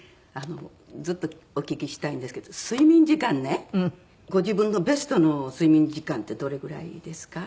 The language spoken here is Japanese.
ずっとお聞きしたいんですけど睡眠時間ねご自分のベストの睡眠時間ってどれぐらいですか？